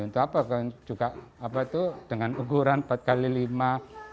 untuk apa kan juga dengan ukuran empat kali lima